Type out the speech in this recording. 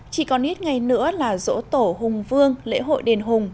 chỉ còn ít ngày nữa là dỗ tổ hùng vương lễ hội đền hùng